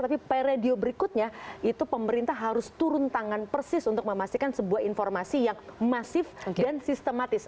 tapi periode berikutnya itu pemerintah harus turun tangan persis untuk memastikan sebuah informasi yang masif dan sistematis